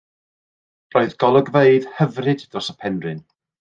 Roedd golygfeydd hyfryd dros y penrhyn.